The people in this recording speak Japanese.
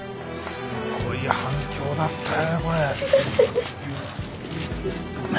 すごい反響だったよねこれ。